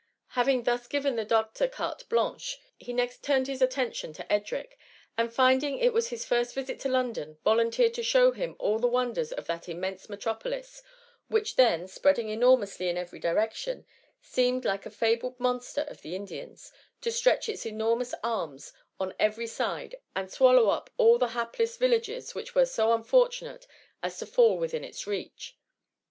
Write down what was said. Having thus given the doctor carte blanche. THE MUMMY. 147 he next turned his attention to Edric, and, find ing it was his first visit to London, volunteered to show him all the wonders of that immense metropolis, which then, spreading enormously in every direction, seemed like the fabled monster of the Indians, to stretch its enormous arms on every side and swallow up all the hapless vil lages which were so unfortunate as to fall with in its reach.